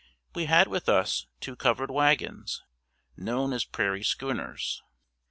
We had with us two covered wagons known as prairie schooners.